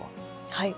はい。